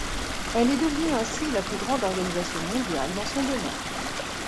Elle est devenue ainsi la plus grande organisation mondiale dans son domaine.